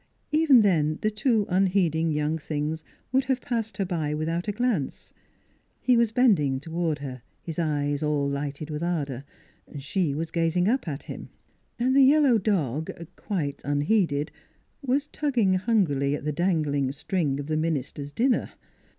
Even then, the two unheeding young things would have passed her by without a glance he was bending toward her, his eyes all lighted with ardor; she was gazing up at him; and the yellow dog, quite unheeded, was tugging hungrily at the dangling string of the minister's dinner.